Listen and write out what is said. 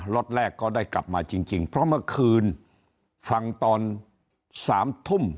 ็อตแรกก็ได้กลับมาจริงเพราะเมื่อคืนฟังตอน๓ทุ่ม